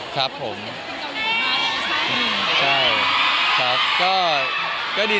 คุณคงไม่รอบมาพบกับตัวหนักวิ่ง